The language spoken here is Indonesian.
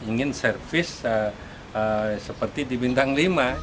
ingin servis seperti di bintang lima